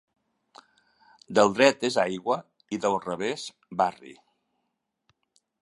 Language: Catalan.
Del dret és aigua i del revés barri.